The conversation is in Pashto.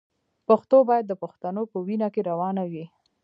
پښتو باید د پښتنو په وینه کې روانه وي.